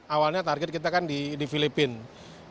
awalnya target kita kan di filipina